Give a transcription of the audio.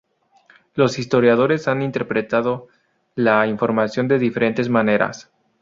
Los historiadores han interpretado la información de diferentes maneras.